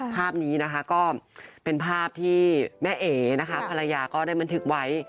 ภาพนี้นะคะก็เป็นภาพที่แม่เอ๋นะคะภรรยาก็ได้บันทึกไว้